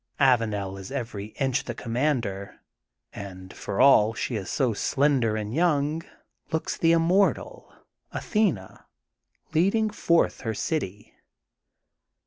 Avanel is every inch the commander and, for all she is so slender and young, looks the immortal, Athena, leading forth her city.